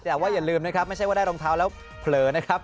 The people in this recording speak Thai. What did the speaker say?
แต่ว่าอย่าลืมนะครับไม่ใช่ว่าได้รองเท้าแล้วเผลอนะครับ